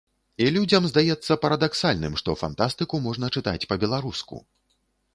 І людзям здаецца парадаксальным, што фантастыку можна чытаць па-беларуску.